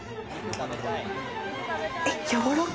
えっ、やわらか！